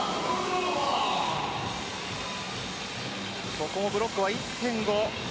ここもブロックは１．５。